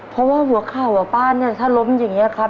เพราะว่าหัวเข่าอ่ะป้าเนี่ยถ้าล้มอย่างนี้ครับ